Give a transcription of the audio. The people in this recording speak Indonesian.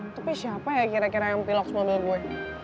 tapi siapa ya kira kira yang piloks nonin gue